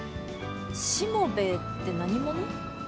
しもべえって何者？